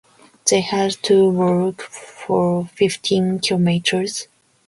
They had to walk for fifteen kilometers.